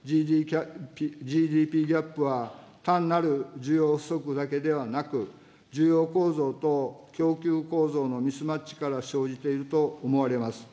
ＧＤＰギャップは単なる需要不足だけではなく、需要構造と供給構造のミスマッチから生じていると思われます。